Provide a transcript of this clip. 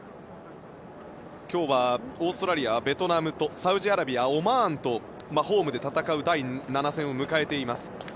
今日はオーストラリアはベトナムとサウジアラビアはオマーンとホームで戦う第７戦を迎えています。